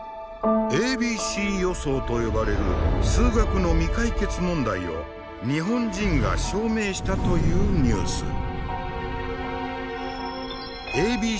「ａｂｃ予想」と呼ばれる数学の未解決問題を日本人が証明したというニュース。